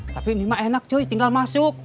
tapi ini mah enak cuy tinggal masuk